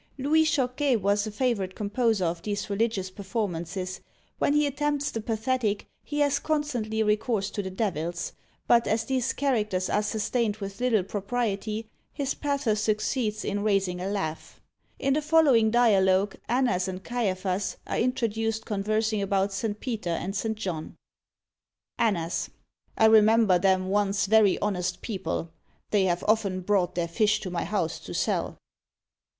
Louis Chocquet was a favourite composer of these religious performances: when he attempts the pathetic, he has constantly recourse to devils; but, as these characters are sustained with little propriety, his pathos succeeds in raising a laugh. In the following dialogue Annas and Caiaphas are introduced conversing about St. Peter and St. John: ANNAS. I remember them once very honest people. They have often brought their fish to my house to sell.